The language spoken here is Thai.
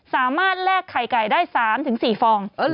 สามารถแลกไข่ไก่ได้๓๔ฟอง